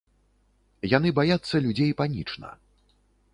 Яны баяцца людзей панічна.